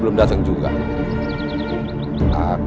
kamu tahu gak